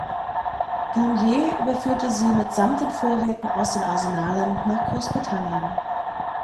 Gambier überführte sie mitsamt den Vorräten aus den Arsenalen nach Großbritannien.